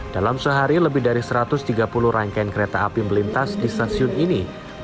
dalam sehari lebih dari satu ratus tiga puluh rangkaian kereta api melintas di stasiun ini